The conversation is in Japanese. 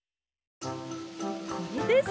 これです！